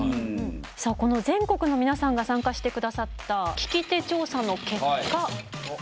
さあこの全国のみなさんが参加してくだった利き手調査の結果。